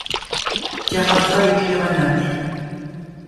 Carafa est clerc à Naples.